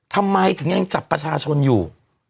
ทำไมถึงยังจับประชาชนอยู่